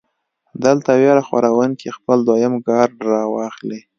دلته وېره خوروونکے خپل دويم کارډ راواخلي -